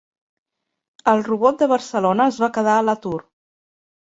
El robot de Barcelona es va quedar a l'atur.